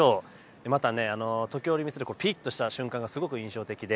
また、時折見せるピリッとした瞬間がすごく印象的で。